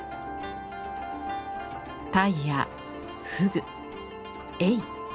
タイやフグエイ。